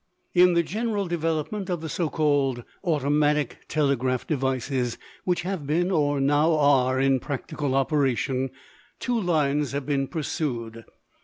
In the general development of the so called automatic telegraph devices which have been or now are in practical operation, two lines have been pursued.